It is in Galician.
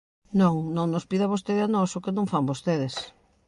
Non, non nos pida vostede a nós o que non fan vostedes.